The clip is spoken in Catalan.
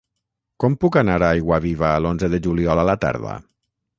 Com puc anar a Aiguaviva l'onze de juliol a la tarda?